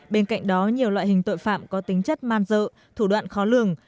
bên cạnh đó nhiều loại hình tội phạm có tính chất man dợ thủ đoạn khó lường